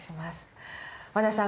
和田さん